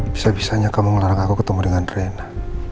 bisa bisanya kamu ngelarang aku ketemu dengan rena